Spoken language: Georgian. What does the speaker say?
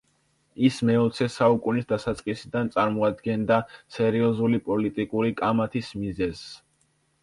ის მეოცე საუკუნის დასაწყისიდან წარმოადგენდა სერიოზული პოლიტიკური კამათის მიზეზს.